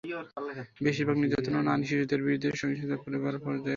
বেশিরভাগ নির্যাতন এবং নারী ও শিশুদের বিরুদ্ধে সহিংসতা পরিবার পর্যায়ে ঘটে।